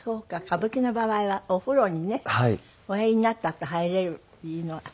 歌舞伎の場合はお風呂にねおやりになったあと入れるっていうのが。